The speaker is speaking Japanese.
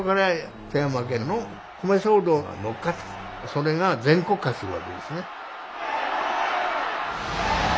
それが全国化するわけですね。